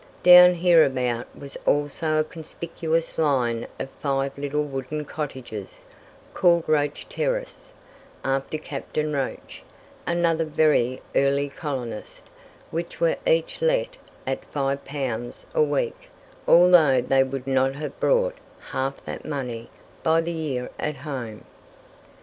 Down hereabout was also a conspicuous line of five little wooden cottages, called Roach terrace, after Captain Roach, another very early colonist, which were each let at 5 pounds a week, although they would not have brought half that money by the year at home.